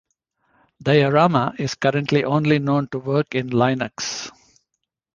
Diorama is currently only known to work in Linux.